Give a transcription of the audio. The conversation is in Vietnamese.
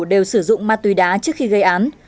đều sử dụng ma túy đá trước khi gây án